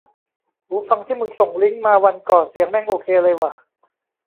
หูฟังที่มึงส่งลิงก์มาวันก่อนเสียงแม่งโอเคเลยว่ะ